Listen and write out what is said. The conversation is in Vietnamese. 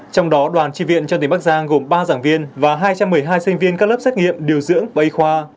trong đó đoàn tri viện cho tỉnh bắc giang gồm ba giảng viên và hai trăm một mươi hai sinh viên các lớp xét nghiệm điều dưỡng y khoa